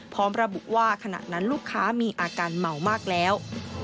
พร้อมระบุว่าขณะนั้นลูกค้ามีอาการเหมามากแล้ว